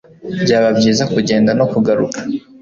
byaba byiza kugenda no kugaruka